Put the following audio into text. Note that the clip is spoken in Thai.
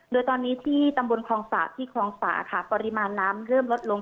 โดยตอนนี้ที่ตำบลคลองศาสตร์ที่คลองสาค่ะปริมาณน้ำเริ่มลดลง